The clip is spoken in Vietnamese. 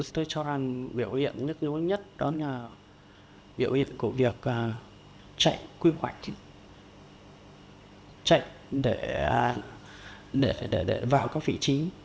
tôi cho rằng biểu hiện nhất là biểu hiện của việc chạy quy hoạch chạy để vào các vị trí